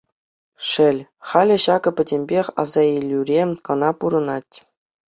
Шел, халӗ ҫакӑ пӗтӗмпех асаилӳре кӑна пурӑнать.